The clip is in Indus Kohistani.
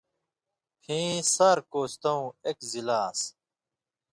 پھیں سار کوستٶں ایک ضِلعہ آن٘سیۡ۔